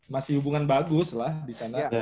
masih hubungan bagus lah disana